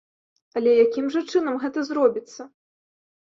Але якім жа чынам гэта зробіцца?